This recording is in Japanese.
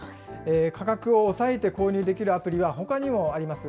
価格を抑えて購入できるアプリは、ほかにもあります。